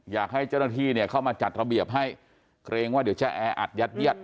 อยากให้เจ้าหน้าที่เนี่ยเข้ามาจัดระเบียบให้เกรงว่าเดี๋ยวจะแออัดยัดเยียด